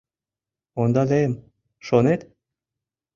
— Ондалем, шонет?